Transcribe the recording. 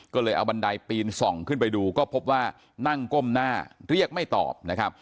ก็เลยเอาบันไดปีนส่องขึ้นไปดูก็พบว่านั่งก้มหน้าเรียกไม่ตอบนะครับ